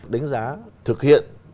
đánh giá thực hiện